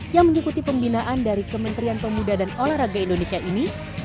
yang mengikuti pembinaan dari kementerian pemuda dan olahraga indonesia ini